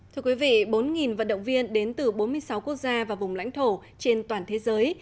thưa quý vị bốn vận động viên đến từ bốn mươi sáu quốc gia và vùng lãnh thổ trên toàn thế giới